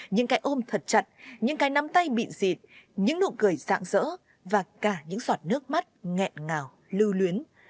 những cái ôm thật chặt những cái nắm tay bị dịt những nụ cười dạng dỡ và cả những giọt nước mắt nghẹn ngào lưu luyến